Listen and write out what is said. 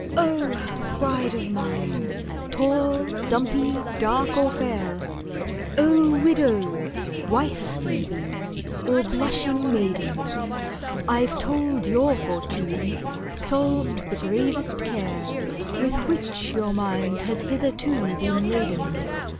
Oh! bride of mine—tall, dumpy, dark, or fair! Oh! widow—wife, maybe, or blushing maiden, I've told your fortune; solved the gravest care With which your mind has hitherto been laden.